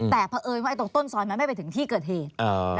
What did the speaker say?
แต่เพราะเอิญว่าตรงต้นซอยมันไม่ไปถึงที่เกิดเหตุ